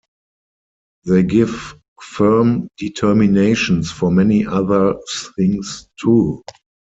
They give firm determinations for many other things too.